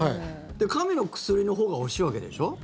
神の薬のほうが欲しいわけでしょ？